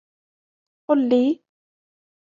قل لي.